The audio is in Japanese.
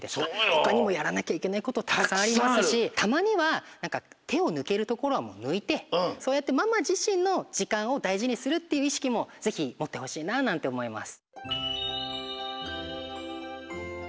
ほかにもやらなきゃいけないことたくさんありますしたまにはてをぬけるところはもうぬいてそうやってママじしんのじかんをだいじにするっていういしきもぜひもってほしいななんておもいます。